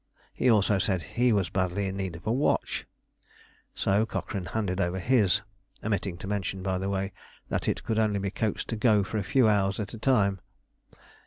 He also said he was badly in need of a watch, so Cochrane handed over his, omitting to mention, by the way, that it could only be coaxed to go for a few hours at a time!